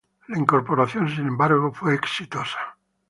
La incorporación, sin embargo, fue exitosa.